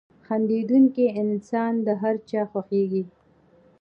• خندېدونکی انسان د هر چا خوښېږي.